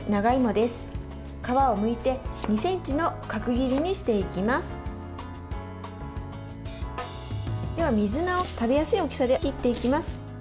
では、水菜を食べやすい大きさで切っていきます。